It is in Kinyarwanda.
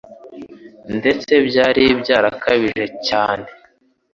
Ndetse byari byarakabije cyane;